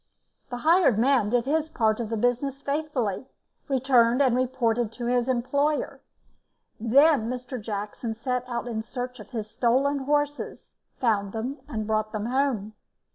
The hired man did his part of the business faithfully, returned and reported to his employer. Then Mr. Jackson set out in search of his stolen horses, found them, and brought them home.